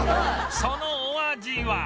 そのお味は